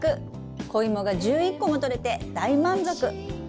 子イモが１１個もとれて大満足！